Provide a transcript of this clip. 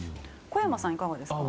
小山さんはいかがですか？